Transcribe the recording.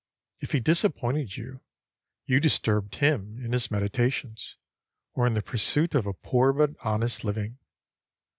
If he disappointed you, you disturbed him in his meditations, or in the pursuit of a poor but honest living.